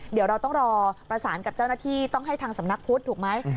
เดี๋ยวเราต้องรอประสานกับเจ้าหน้าที่ต้องให้ทางสำนักพุทธถูกไหม